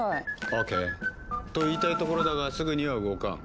オーケー！と言いたいところだがすぐには動かん。